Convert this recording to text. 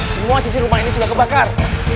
semua sisi rumah ini sudah kebakar